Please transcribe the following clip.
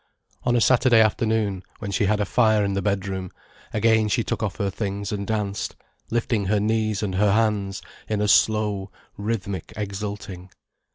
On a Saturday afternoon, when she had a fire in the bedroom, again she took off her things and danced, lifting her knees and her hands in a slow, rhythmic exulting.